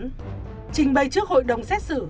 trình bày trước hội đồng xét xử